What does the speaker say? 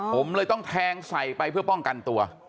ผมเลยต้องแทงใส่ไปเพื่อป้องกันตัว